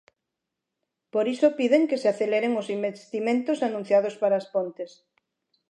Por iso piden que se aceleren os investimentos anunciados para As Pontes.